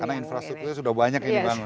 karena infrastrukturnya sudah banyak ini bang